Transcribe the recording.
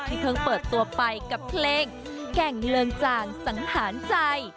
เพิ่งเปิดตัวไปกับเพลงแก่งเลิงจางสังหารใจ